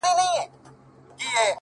د اله زار خبري ډېري ښې دي;